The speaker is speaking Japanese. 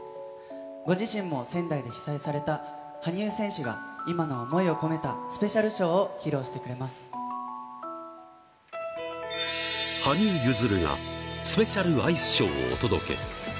ご自身も仙台で被災された羽生選手が今の想いを込めたスペシャル羽生結弦がスペシャルアイスショーをお届け。